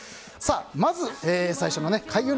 まず最初の開運！